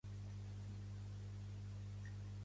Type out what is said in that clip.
Què s'ha pregat a Blackstone?